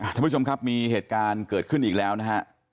ท่านผู้ชมครับมีเหตุการณ์เกิดขึ้นอีกแล้วนะฮะ